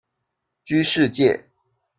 居士戒。